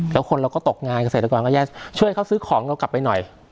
แล้วคนเราก็ตกงานเกษตรกรก็ญาติช่วยเขาซื้อของเรากลับไปหน่อย